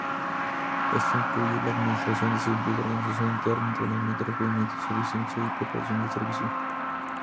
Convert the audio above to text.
Esto incluye la administración, disciplina, organización interna, entrenamiento, requerimientos, eficiencia y preparación del servicio.